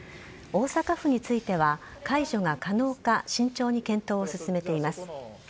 大阪府については、解除が可能か、慎重に検討を進めています。